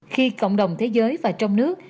khi cộng đồng thế giới và trong nước